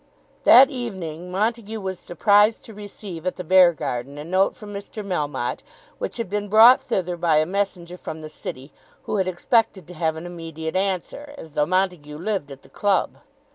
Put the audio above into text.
That evening Montague was surprised to receive at the Beargarden a note from Mr. Melmotte, which had been brought thither by a messenger from the city, who had expected to have an immediate answer, as though Montague lived at the club.